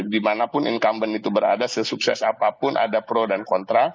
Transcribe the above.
dimanapun incumbent itu berada sesukses apapun ada pro dan kontra